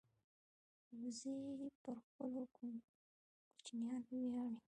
وزې پر خپلو کوچنیانو ویاړي